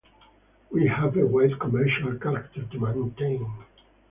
We have a wide commercial character to maintain.